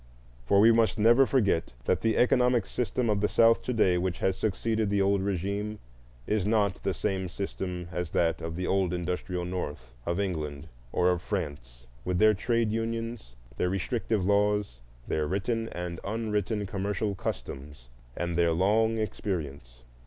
For we must never forget that the economic system of the South to day which has succeeded the old regime is not the same system as that of the old industrial North, of England, or of France, with their trade unions, their restrictive laws, their written and unwritten commercial customs, and their long experience.